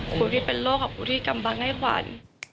คุณที่เป็นโลกคุณที่กำลังให้ขวัญ